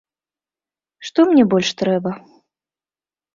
Што мне больш трэба?